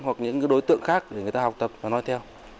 hoặc những đối tượng khác để người ta học tập và nói theo